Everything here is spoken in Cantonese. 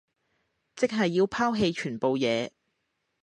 即係要拋棄全部嘢